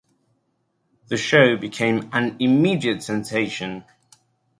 The show became an immediate sensation.